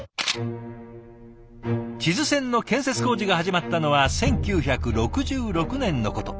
智頭線の建設工事が始まったのは１９６６年のこと。